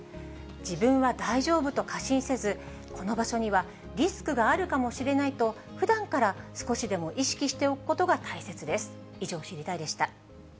自分は大丈夫と過信せず、この場所にはリスクがあるかもしれないと、ふだんから少しでも意識しておくことが大切です。